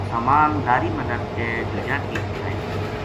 سامان لاری ما لد کے جوجاٹی پوہچایو